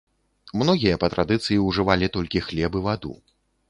Многія па традыцыі ўжывалі толькі хлеб і ваду.